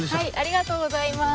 ありがとうございます。